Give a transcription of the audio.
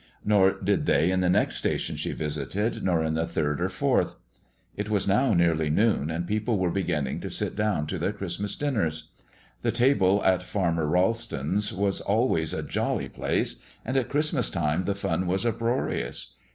Nor did they in the next station she visited, nor in the third or fourth. It was now nearly noon, and people were beginning to sit down to their Christmas dinners. The table at Farmer Ralston's was always a jolly place, and at Christmas time the fun was uproarious.